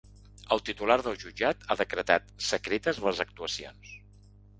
El titular del jutjat ha decretat secretes les actuacions.